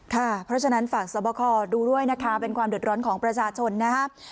ค่ะเพราะฉะนั้นฝากสวบคอดูด้วยนะคะเป็นความเดือดร้อนของประชาชนนะครับ